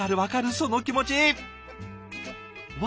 その気持ち！わ